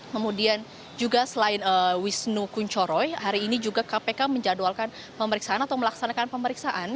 kemudian juga selain wisnu kunchoroy hari ini juga kpk menjadwalkan pemeriksaan atau melaksanakan pemeriksaan